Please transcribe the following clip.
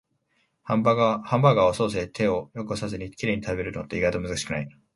ハンバーガーをソースで手を汚さずにきれいに食べるのって、意外と難しくない？